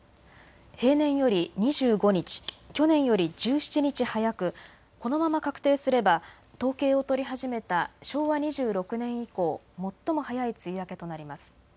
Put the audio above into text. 平年より２５日、去年より１７日早くこのまま確定すれば統計を取り始めた昭和２６年以降最も早い梅雨明けとなります。